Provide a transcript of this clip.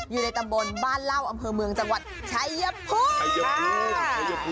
อยู่ในตำบลบ้านเล่าอำเภอเมืองจังหวัดชายภูมิ